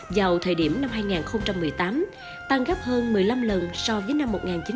vào thời điểm năm hai nghìn một mươi tám tăng gấp hơn một mươi năm lần so với năm một nghìn chín trăm chín mươi